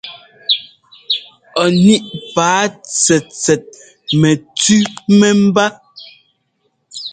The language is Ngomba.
Ɔ níꞋ paa tsɛtsɛt mɛtʉ́ mɛ́mbá.